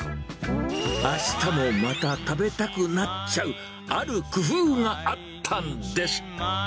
あしたもまた食べたくなっちゃう、ある工夫があったんです。